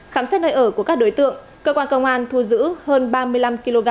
khám xét nơi ở của các đối tượng cơ quan công an thu giữ hơn ba mươi năm kg